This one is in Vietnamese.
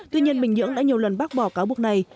tuy nhiên bình nhưỡng đã nhiều lần bác bỏ cáo buộc này